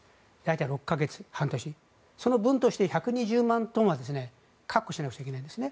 ６か月、半年その分として１２０万トンは確保しなくてはいけないんですね。